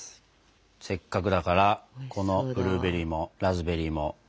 せっかくだからこのブルーベリーもラズベリーも一緒にいただきたい。